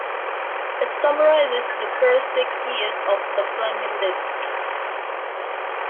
It summarizes the first six years of The Flaming Lips.